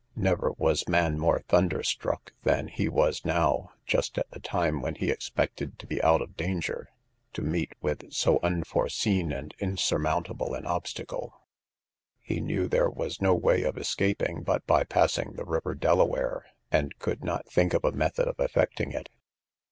Never was man more thunder struck than he was now, just at the time when he expected to be out of danger, to meet with so unforeseen and insurmountable an obstacle. He knew there was no way of escaping, but by passing the river Delaware, and could not think of a method of effecting it.